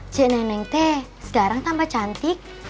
c neneng t sekarang tambah cantik